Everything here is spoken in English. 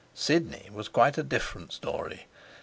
Sidney was quite a different story.